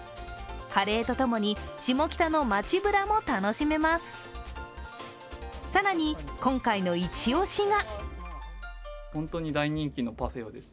カレーとともに下北の街ぶらも楽しめます。